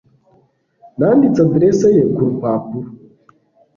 Nanditse adresse ye kurupapuro.